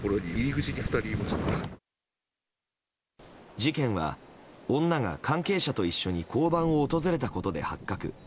事件は、女が関係者と一緒に交番を訪れたことで発覚。